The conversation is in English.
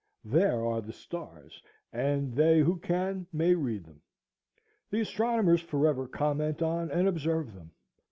There are the stars, and they who can may read them. The astronomers forever comment on and observe them.